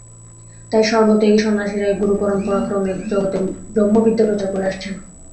এই সর্বত্যাগী সন্ন্যাসীরাই গুরুপরম্পরাক্রমে জগতে ব্রহ্মবিদ্যা প্রচার করে আসছেন।